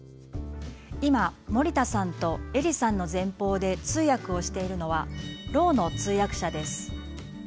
今森田さんと映里さんの前方で通訳をしているのはろうの通訳者です。